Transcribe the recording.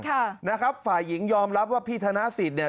ค่ะนะครับฝ่ายหญิงยอมรับว่าพี่ธนสิทธิ์เนี่ย